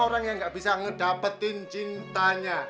orang yang gak bisa ngedapetin cintanya